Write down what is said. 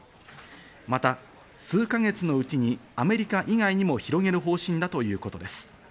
また数か月のうちにアメリカ以外にも広げる方針だということです。